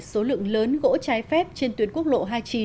số lượng lớn gỗ trái phép trên tuyến quốc lộ hai mươi chín